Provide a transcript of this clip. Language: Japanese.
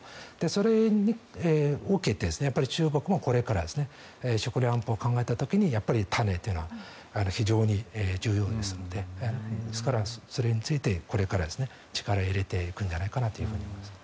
それを受けて中国もこれから食料安保を考えた時にやっぱり種というのは非常に重要ですのでですから、それについてこれから力を入れていくんじゃないかと思います。